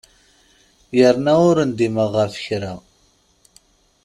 Yerna ur ndimeɣ ɣef kra.